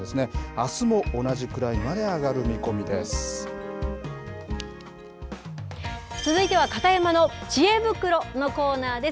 あすも同じくらいまで上がる見込続いては、片山のちえ袋のコーナーです。